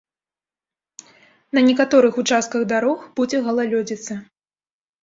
На некаторых участках дарог будзе галалёдзіца.